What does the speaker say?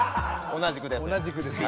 同じくですか。